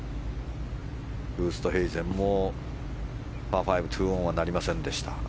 ウーストヘイゼンもパー５２オンはなりませんでした。